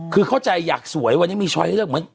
เข้าใจอยากสวยวันนี้ไม่ใช่